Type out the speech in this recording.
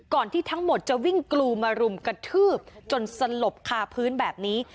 ที่ทั้งหมดจะวิ่งกรูมารุมกระทืบจนสลบคาพื้นแบบนี้